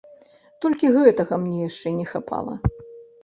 Толькі гэтага мне яшчэ не хапала!